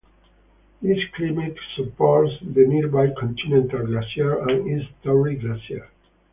This climate supports the nearby Continental Glacier and East Torrey Glacier.